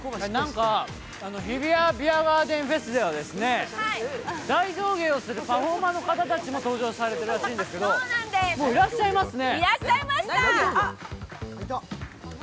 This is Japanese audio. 日比谷ビアガーデンフェスでは、大道芸をするパフォーマーの方たちもいるみたいですけど、もういらっしゃいますね。